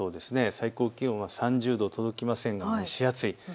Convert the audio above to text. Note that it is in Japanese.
最高気温は３０度届きませんが蒸し暑いです。